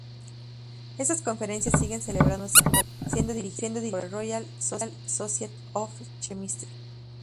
Estas conferencias siguen celebrándose actualmente, siendo dirigidas por la Royal Society of Chemistry.